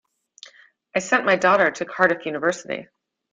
I sent my daughter to Cardiff University.